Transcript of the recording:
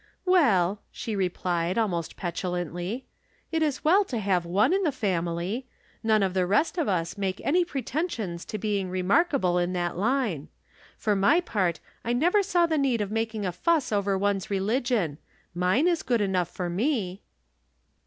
" Well," she replied, almost petulantly, " it is well to have one in the family. None of the rest of us make any pretensions to being remarkable in that line. For my part, I never saw the need of making a fuss over one's religion. Mine is good enough for me."